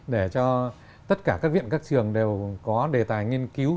để cho tất cả các viện các trường đều có đề tài nghiên cứu